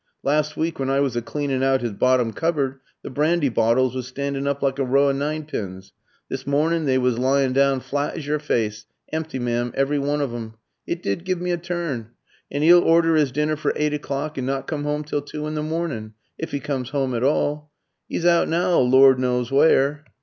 Last week, when I was a cleanin' out his bottom cupboard, the brandy bottles was standin' up like a row o' ninepins. This mornin' they was lyin' down flat as your fyce empty, m'm, every one of 'em. It did give me a turn. And 'e'll order 'is dinner for eight o'clock, and not come 'ome till two in the mornin' if 'e comes 'ome at all. 'E's out now Lord knows where."